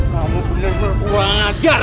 kamu bener bener wajar